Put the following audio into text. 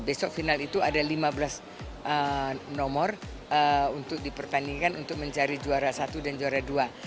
besok final itu ada lima belas nomor untuk dipertandingkan untuk mencari juara satu dan juara dua